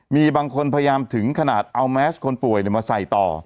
มีบางคนพยายามถึงขนาดเอาแมสคนป่วยมาใส่ต่อ